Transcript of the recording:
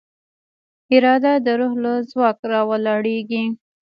اراده د روح له ځواک راولاړېږي.